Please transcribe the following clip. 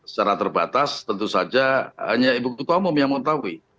secara terbatas tentu saja hanya ibu ketua umum yang mengetahui